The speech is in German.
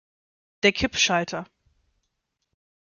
Der Kippschalter.